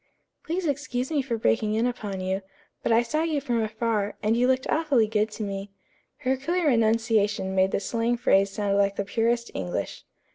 "Please excuse me for breaking in upon you, but I saw you from afar, and you looked awfully good to me." Her clear enunciation made the slang phrase sound like the purest English.